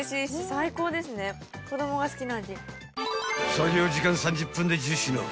［作業時間３０分で１０品］